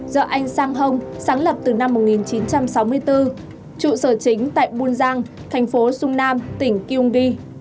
do anh sang hông sáng lập từ năm một nghìn chín trăm sáu mươi bốn trụ sở chính tại bun giang thành phố sung nam tỉnh kyungbi